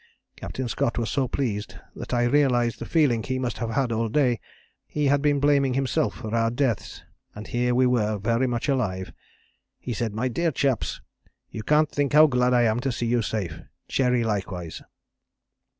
Captain Scott was so pleased, that I realized the feeling he must have had all day. He had been blaming himself for our deaths, and here we were very much alive. He said: 'My dear chaps, you can't think how glad I am to see you safe Cherry likewise.'